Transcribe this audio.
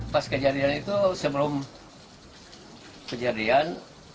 pas kejadian itu sebelum kejadian